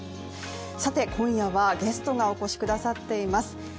今夜はゲストがお越しくださっています。